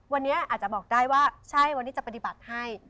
วันนี้อาจจะบอกได้ว่าใช่วันนี้จะปฏิบัติให้